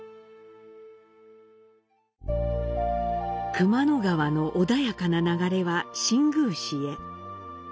熊野川の穏やかな流れは新宮市へ。